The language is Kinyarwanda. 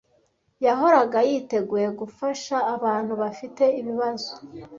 Yahoraga yiteguye gufasha abantu bafite ibibazo.